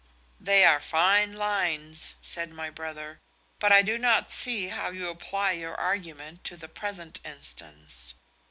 '" "They are fine lines," said my brother, "but I do not see how you apply your argument to the present instance."